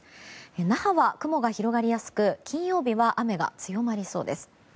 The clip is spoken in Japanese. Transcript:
那覇は雲が広がりやすく金曜日は雨が強まりそうです。